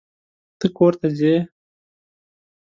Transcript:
ته کور ته ځې.